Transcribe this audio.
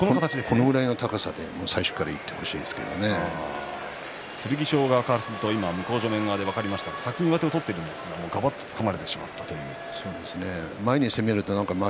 これぐらいの高さで最初から剣翔からすると先に上手を取っているんですががばってつかまれてしまったということですね。